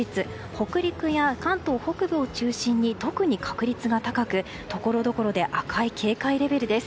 北陸や関東北部を中心に特に確率が高くところどころで赤い警戒レベルです。